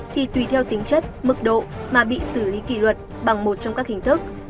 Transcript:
thì tùy theo tính chất mức độ mà bị xử lý kỷ luật bằng một trong các hình thức